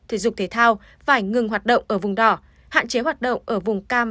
thể dục thể thao phải ngừng hoạt động ở vùng đỏ hạn chế hoạt động ở vùng cam